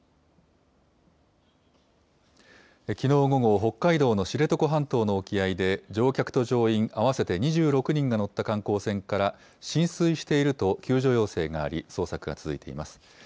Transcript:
きのう午後、北海道の知床半島の沖合で、乗客と乗員合わせて２６人が乗った観光船から、浸水していると救助要請があり、捜索が続いています。